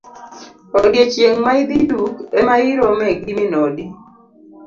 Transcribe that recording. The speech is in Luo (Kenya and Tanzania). Odiochieng' ma idhi duk ema irome gi min odi.